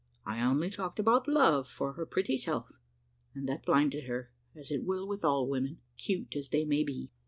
I only talked about my love for her pretty self, and that blinded her, as it will all women, 'cute as they may be.